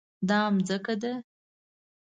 دا ځمکه ده